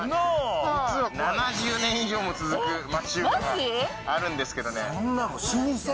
７０年以上も続く町中華があるんですけどね。